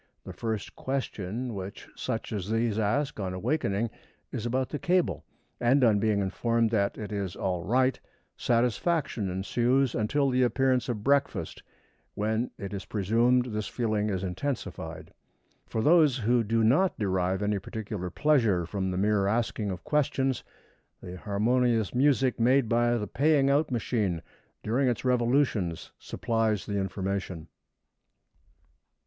The first question which such as these ask on awakening is about the cable, and on being informed that it is all right, satisfaction ensues until the appearance of breakfast, when it is presumed this feeling is intensified. For those who do not derive any particular pleasure from the mere asking of questions, the harmonious music made by the paying out machine during its revolutions supplies the information.